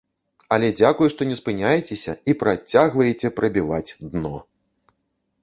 Але дзякуй, што не спыняецеся і працягваеце прабіваць дно.